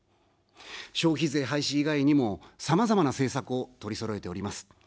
消費税廃止以外にも、さまざまな政策を取りそろえております。